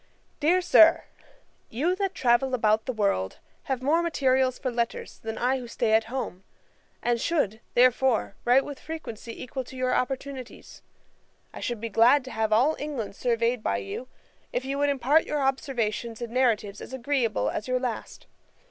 'DEAR SIR, 'You that travel about the world, have more materials for letters, than I who stay at home; and should, therefore, write with frequency equal to your opportunities. I should be glad to have all England surveyed by you, if you would impart your observations in narratives as agreeable as your last.